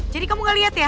jadi kamu gak lihat ya